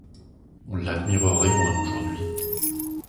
On l’admirerait moins aujourd’hui.